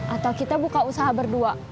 atau kita buka usaha berdua